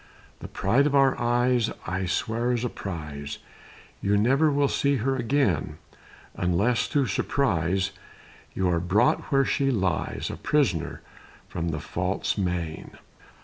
The pride of our eyes, I swear is a prize, You never will see her again, Unless thro' surprise, You are brought where she lies, A prisoner from the false main.